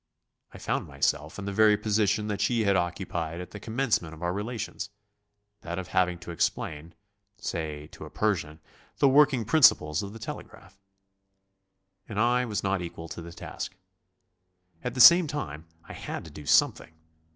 I found myself in the very position that she had occupied at the commencement of our relations: that of having to explain say, to a Persian the working principles of the telegraph. And I was not equal to the task. At the same time I had to do something.